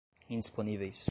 indisponíveis